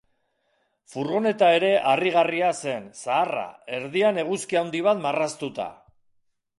Furgoneta ere harrigarria zen, zaharra, erdian eguzki handi bat marraztuta.